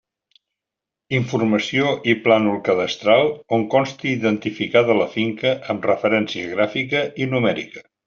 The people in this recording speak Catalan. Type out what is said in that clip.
Informació i plànol cadastral on consti identificada la finca amb referència gràfica i numèrica.